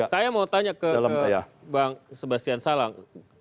saya mau tanya ke bang sebastian salang